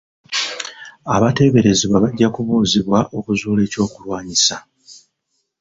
Abateeberezebwa bajja kubuuzibwa okuzuula eky'okulwanyisa.